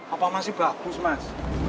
apa masih bagus mas